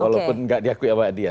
walaupun enggak diakui sama adian